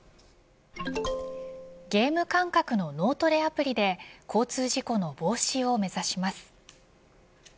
ゲーム感覚の脳トレアプリで交通事故の防止を目指します。